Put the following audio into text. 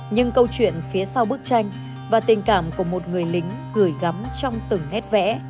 nhưng câu chuyện phía sau bức tranh và tình cảm của một người lính gửi gắm trong từng nét vẽ